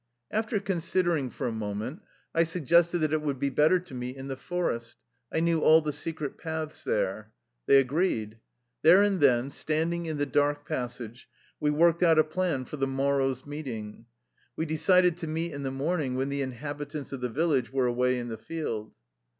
" After considering for a moment I suggested that it would be better to meet in the forest. I knew all the secret paths there. They agreed. There and then, standing in the dark passage, we worked out a plan for the morrow's meeting. We decided to meet in the morning, when the in habitants of the village were away in the field.